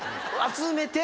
集めて？